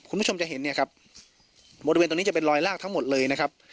คุณผู้ชมจะเห็นเนี่ยครับบริเวณตรงนี้จะเป็นรอยลากทั้งหมดเลยนะครับ